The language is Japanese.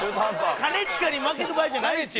兼近に負けてる場合じゃないですよ。